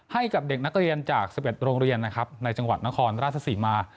ให้กับเด็กนักเรียนจาก๑๑โรงเรียนนะครับในจังหวัดนครราชศรีมา